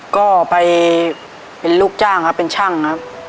ก็ไปเป็นลูกจ้างครับเป็นช่างครับ